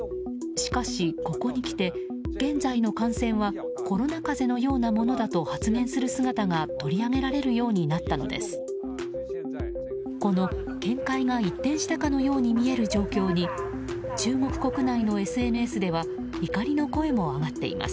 しかし、ここにきて現在の感染はコロナ風邪のようなものだと発言する姿が取り上げられるようになったのです。